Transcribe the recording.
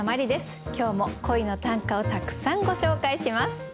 今日も恋の短歌をたくさんご紹介します。